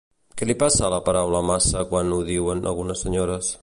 Què li passa a la paraula massa quan ho diuen algunes senyores?